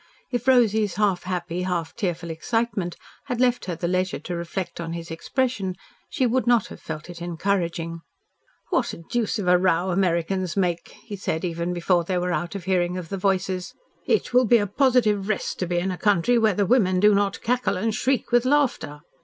If Rosy's half happy, half tearful excitement had left her the leisure to reflect on his expression, she would not have felt it encouraging. "What a deuce of a row Americans make," he said even before they were out of hearing of the voices. "It will be a positive rest to be in a country where the women do not cackle and shriek with laughter."